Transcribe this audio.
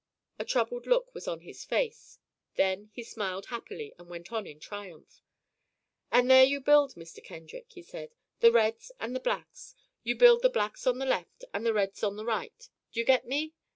A troubled look was on his face. Then he smiled happily, and went on in triumph. "And then you build, Mr. Kendrick," he said. "The reds and the blacks. You build the blacks on the left, and the reds on the right do you get me?